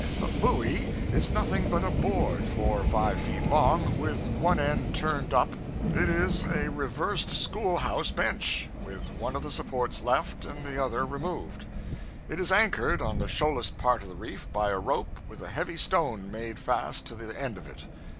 A buoy is nothing but a board four or five feet long, with one end turned up; it is a reversed school house bench, with one of the supports left and the other removed. It is anchored on the shoalest part of the reef by a rope with a heavy stone made fast to the end of it.